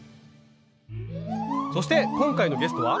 そして今回のゲストは。